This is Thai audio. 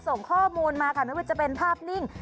ส่งข้อมูลมาค่ะไม่ว่าจะเป็นภาพนิ่ง